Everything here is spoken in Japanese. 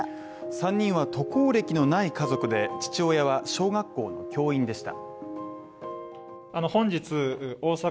３人は渡航歴のない家族で父親は小学校教員でした。